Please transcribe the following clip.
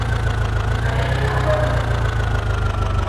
Але што такое крэдыт?